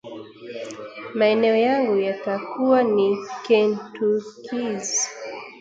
maeneo yangu yatakuwa ni Kentuckys